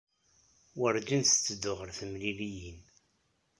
Werǧin tetteddu ɣer temliliyin.